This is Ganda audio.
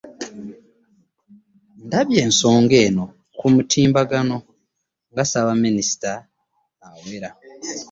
Ndabye ensonga eno ku mutimbagano nga ssaabaminisita awera.